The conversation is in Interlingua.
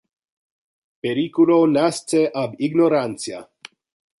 Periculo nasce ab ignorantia.